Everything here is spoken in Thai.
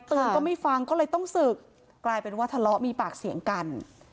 ก็ไม่ฟังก็เลยต้องศึกกลายเป็นว่าทะเลาะมีปากเสียงกัน